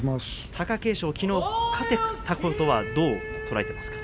貴景勝、きのう勝てたことはどう捉えていますか。